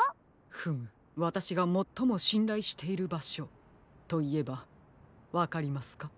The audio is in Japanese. フムわたしがもっともしんらいしているばしょといえばわかりますか？